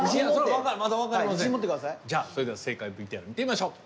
それでは正解ＶＴＲ見てみましょう。